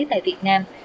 tại việt nam